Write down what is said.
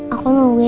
aku mau bikin lupa